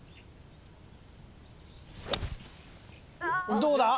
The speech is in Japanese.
どうだ？